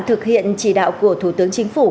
thực hiện chỉ đạo của thủ tướng chính phủ